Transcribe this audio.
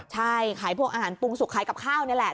ใช่ขายพวกอาหารปรุงสุกขายกับข้าวนี่แหละ